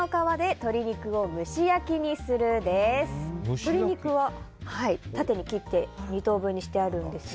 鶏肉を縦に切って２等分にしてあるんですが。